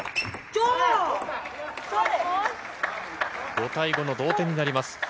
５対５の同点になります。